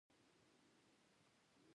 د سرو لمبو د غرغرو له شوره نه دي خبر